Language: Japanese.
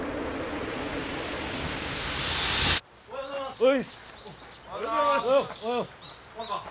おはようございます！